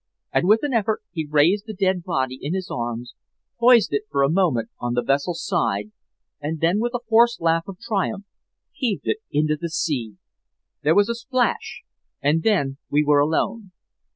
And with an effort he raised the dead body in his arms, poised it for a moment on the vessel's side, and then, with a hoarse laugh of triumph, heaved it into the sea. There was a splash, and then we were alone.